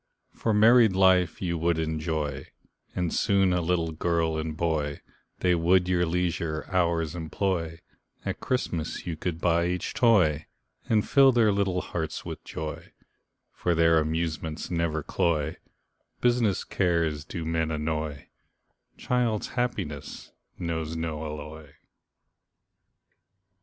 For married life you would enjoy, And soon a little girl and boy, They would your leisure hours employ, At Christmas you could buy each toy, And fill their little hearts with joy, For their amusements never cloy, Business cares do men annoy, Child's happiness knows no alloy.